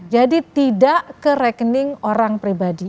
jadi tidak ke rekening orang pribadi